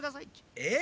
えっ？